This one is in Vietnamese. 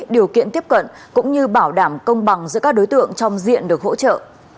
điều kiện tiếp cận cũng như bảo đảm công bằng giữa các đối tượng trong diện được hỗ trợ